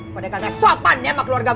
kau ada kaget sopan ya sama keluarga gue ya